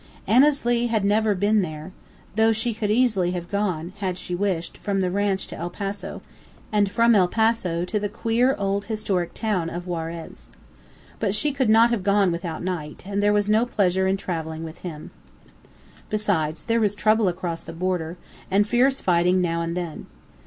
Annesley had never been there, though she could easily have gone, had she wished, from the ranch to El Paso, and from El Paso to the queer old historic town of Juarez. But she could not have gone without Knight, and there was no pleasure in travelling with him. Besides, there was trouble across the border, and fierce fighting now and then.